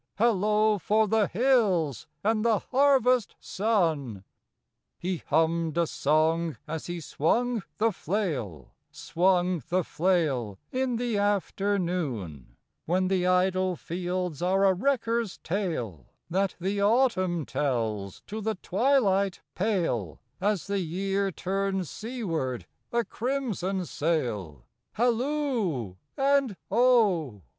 Hallo for the hills and the harvest sun!" III. He hummed a song as he swung the flail, Swung the flail in the afternoon: "When the idle fields are a wrecker's tale, That the Autumn tells to the twilight pale, As the Year turns seaward a crimson sail, Halloo and oh!